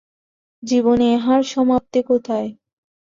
জীবনে ইহার সমাপ্তি কোথায়।